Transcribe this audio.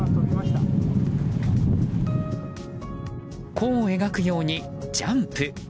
弧を描くようにジャンプ。